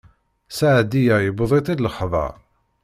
Seɛdiya yewweḍ-itt lexbaṛ.